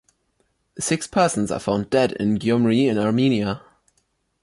The six persons are found dead in Gyumri in Armenia.